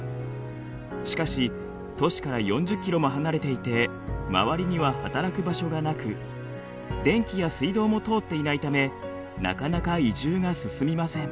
しかし都市から４０ｋｍも離れていて周りには働く場所がなく電気や水道も通っていないためなかなか移住が進みません。